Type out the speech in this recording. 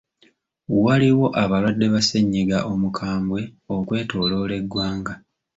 Waliwo abalwadde ba ssennyiga omukambwe okwetooloola eggwanga.